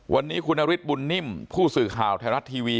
วันนี้คุณภิกษ์บุญนิ่มผู้สื่อข่าวแถวรัสทีวี